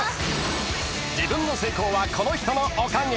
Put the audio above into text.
［自分の成功はこの人のおかげ］